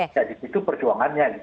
jadi itu perjuangannya